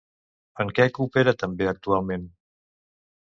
En què coopera també actualment?